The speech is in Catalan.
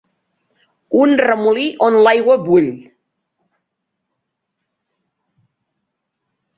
Un remolí on l'aigua bull.